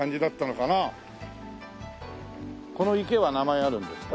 この池は名前あるんですか？